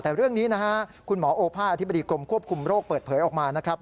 แต่เรื่องนี้นะฮะคุณหมอโอภาอธิบดีกรมควบคุมโรคเปิดเผยออกมานะครับ